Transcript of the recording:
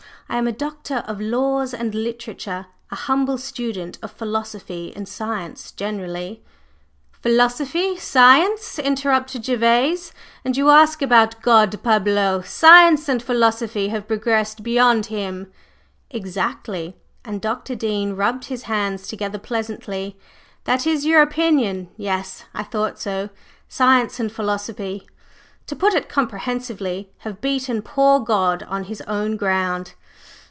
I am a doctor of laws and literature, a humble student of philosophy and science generally …" "Philosophy! Science!" interrupted Gervase. "And you ask about God! Parbleu! Science and philosophy have progressed beyond Him!" "Exactly!" and Dr. Dean rubbed his hands together pleasantly. "That is your opinion? Yes, I thought so! Science and philosophy, to put it comprehensively, have beaten poor God on His own ground!